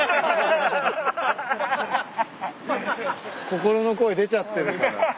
心の声出ちゃってるから。